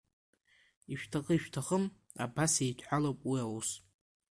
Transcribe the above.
Ишәҭахы-ишәҭахым, абас еидҳәалоуп уи аус…